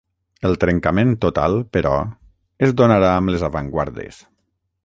El trencament total, però, es donarà amb les avantguardes.